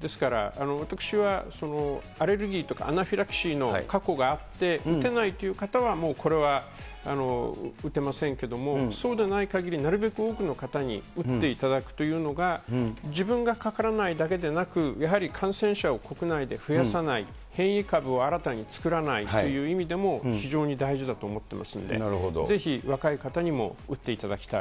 ですから、私はアレルギーとか、アナフィラキシーの過去があって、打てないという方はこれはもう、打てませんけれども、そうでないかぎり、なるべく多くの方に打っていただくというのが、自分がかからないだけでなく、やはり感染者を国内で増やさない、変異株を新たに作らないという意味でも、非常に大事だと思っていますんで、ぜひ、若い方にも打っていただきたい。